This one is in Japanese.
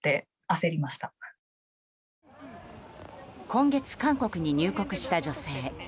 今月、韓国に入国した女性。